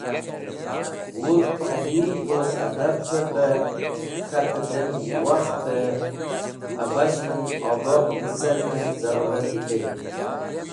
Wudhge Adeeb woz Adabver be k̃hate dem wakhte abashven Ogoh lẽcerne Zarurati tey.